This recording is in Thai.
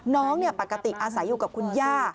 น้องปกติอาศัยอยู่กับคุณย่า